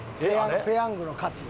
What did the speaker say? ペヤングのカツ。